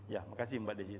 ya makasih mbak desi